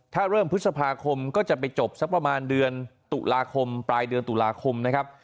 ถ้าเริ่มพฤษภาคมก็จะไปจบสักประมาณเดือนตุลาคมปลายเดือนตุลาคมนะครับ